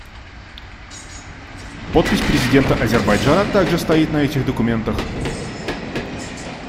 Подпись президента Азербайджана также стоит на этих документах.